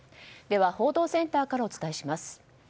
では報道センターからお伝えします。